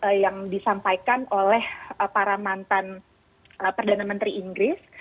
apa yang disampaikan oleh para mantan perdana menteri inggris